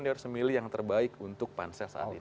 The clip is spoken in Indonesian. dia harus memilih yang terbaik untuk pansel saat ini